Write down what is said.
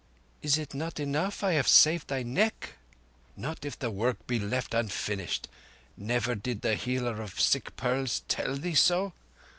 "Is it not enough I have saved thy neck?" "Not if the work be left unfinished. Did never the healer of sick pearls tell thee so?